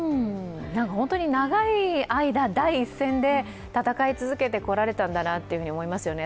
本当に長い間、第一線で戦い続けてこられたんだなと思いますよね。